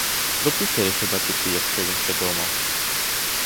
До писаря хіба піти, якщо він ще дома!